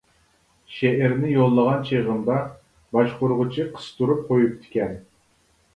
شېئىرنى يوللىغان چېغىمدا، باشقۇرغۇچى قىستۇرۇپ قويۇپتىكەن.